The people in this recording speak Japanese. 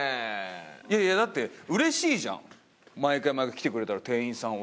いやいやだってうれしいじゃん毎回毎回来てくれたら店員さんは。